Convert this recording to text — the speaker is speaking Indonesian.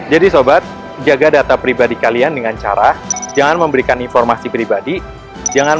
jadi sobat jaga data pribadi kalian dengan cara jangan memberikan informasi pribadi jangan